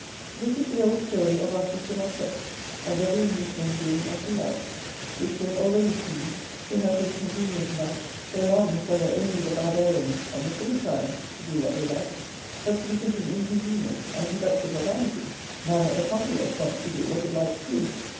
This is the old story of our system of checks and every Englishman doing as he likes, which we have already seen to have been convenient enough so long as there were only the Barbarians and the Philistines to do what they liked, but to be getting inconvenient, and productive of anarchy, now that the Populace wants to do what it likes too.